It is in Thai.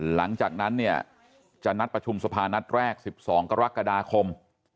หลังจากนั้นเนี่ยจะนัดประชุมสภานัดแรก๑๒กรกฎาคม